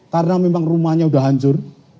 karena memang rumahnya sudah hancur